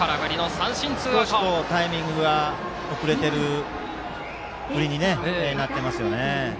少しタイミングが遅れている振りになっていますね。